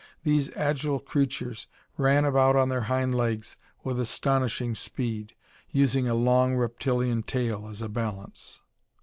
These agile creatures ran about on their hind legs with astonishing speed, using a long reptilian tail as a balance.